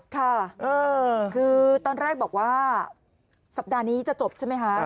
ค่ะคือตอนแรกบอกว่าสัปดาห์นี้จะจบใช่ไหมคะ